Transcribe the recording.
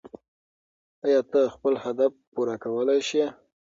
ایا ته خپل اهداف پوره کولی شې؟